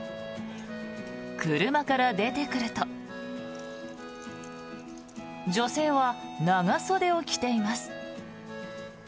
車から出てくると女性は長袖を着ています。